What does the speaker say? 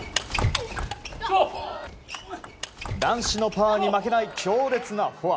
男子のパワーに負けない強烈なフォア。